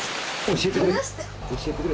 教えてくれ。